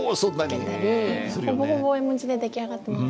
ほぼほぼ絵文字で出来上がってます。